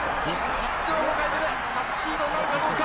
出場５回目で初シードなるかどうか。